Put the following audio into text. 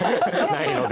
ないので。